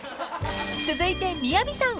［続いてＭＩＹＡＶＩさん］